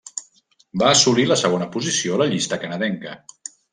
Va assolir la segona posició a la llista canadenca.